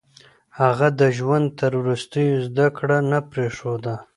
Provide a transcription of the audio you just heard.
هغه د ژوند تر وروستيو زده کړه نه پرېښوده.